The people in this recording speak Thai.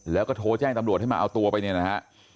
แล้วก็โทรแจ้งตำรวจให้มาเอาตัวไปเนี่ยนะฮะ